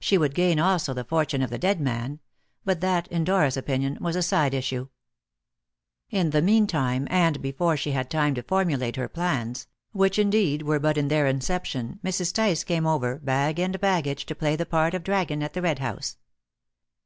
She would gain also the fortune of the dead man; but that, in Dora's opinion, was a side issue. In the meantime, and before she had time to formulate her plans which, indeed, were but in their inception Mrs. Tice came over, bag and baggage, to play the part of dragon at the Red House.